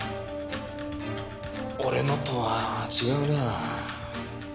俺のとは違うなぁ。